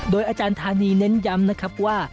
อาจารย์ธานีเน้นย้ำนะครับว่า